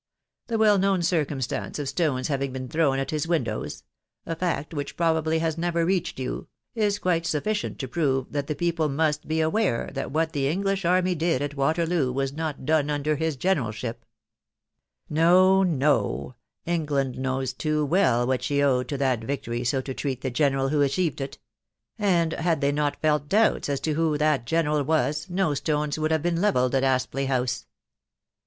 The well known circumstance of stones having been thrown at his windows .... a fact which probably has never reached you .... is quite sufficient to prove that the people must be aware that what the English army did at Wa terloo was not done under his generalship No, no, Eng land knows too well what she owed to that victory so to treat the general who achieved it ; and had they not felt doubts as to who that general was, no stones would have been levelled at Apsley House.